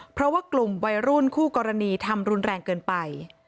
เพราะว่ากลุ่มวัยรุ่นคู่กรณีทำรุนแรงเกินไป